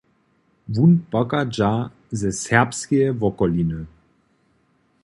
Wón pochadźa ze serbskeje wokoliny.